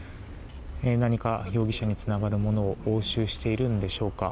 何か容疑者につながるものを押収しているのでしょうか。